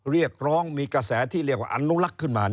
เรียกร้องมีกระแสที่เรียกว่าอนุลักษ์ขึ้นมา